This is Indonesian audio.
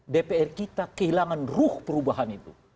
dpr kita kehilangan ruh perubahan itu